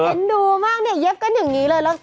เอ็ดดูมากครับมันนี่เยฟกันอย่างนี้เลย